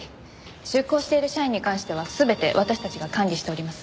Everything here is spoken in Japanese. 出向している社員に関しては全て私たちが管理しております。